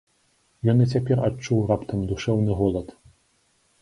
Ён і цяпер адчуў раптам душэўны голад.